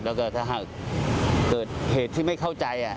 แล้วก็ถ้าหากเกิดเหตุที่ไม่เข้าใจ